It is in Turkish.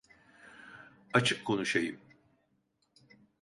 Açık konuşayım.